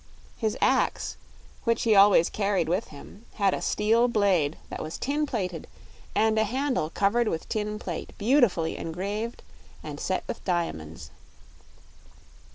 His axe, which he always carried with him, had a steel blade that was tin plated and a handle covered with tin plate beautifully engraved and set with diamonds.